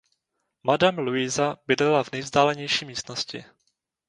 Madame Luisa bydlela v nejvzdálenější místnosti.